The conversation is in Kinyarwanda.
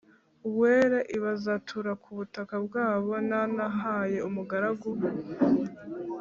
uwera i Bazatura ku butaka bwabo nahahaye umugaragu